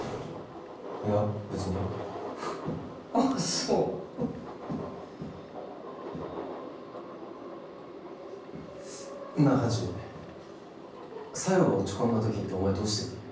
いや別にあそうなあハチ小夜が落ち込んだ時ってお前どうしてる？